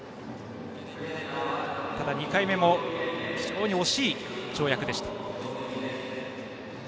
ただ、２回目も非常に惜しい跳躍でした。